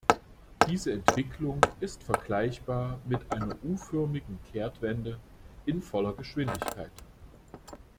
Diese Entwicklung ist vergleichbar mit einer U-förmigen Kehrtwende in voller Geschwindigkeit.